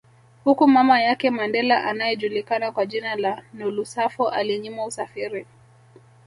Huku mama yake Mandela anaejulikana kwa jina la Nolusapho alinyimwa usafiri